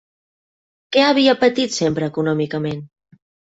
Què havia patit sempre econòmicament?